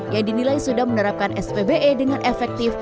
yang dinilai sudah menerapkan spbe dengan efektif